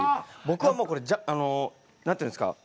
僕はもうこれあの何て言うんすか？